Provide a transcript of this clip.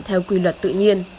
theo quy luật tự nhiên